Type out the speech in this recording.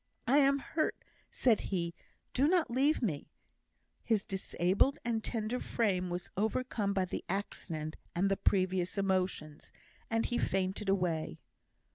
"I am hurt," said he; "do not leave me;" his disabled and tender frame was overcome by the accident and the previous emotions, and he fainted away.